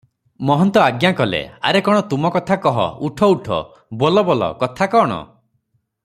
ମହନ୍ତ ଆଜ୍ଞା କଲେ- ଆରେ କଣ ତୁମ କଥା କହ, ଉଠ ଉଠ - ବୋଲ ବୋଲ କଥା କଣ?